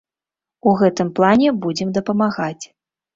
У гэтым плане будзем дапамагаць.